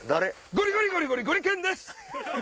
ゴリゴリゴリゴリゴリけんです！